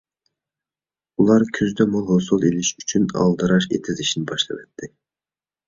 ئۇلار كۈزدە مول ھوسۇل ئېلىش ئۈچۈن ئالدىراش ئېتىز ئىشىنى باشلىۋەتتى.